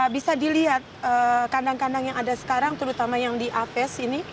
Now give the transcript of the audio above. bisa dilihat kandang kandang yang ada sekarang terutama yang di apes ini